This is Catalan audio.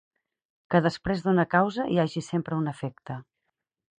Que després d'una causa hi hagi sempre un efecte.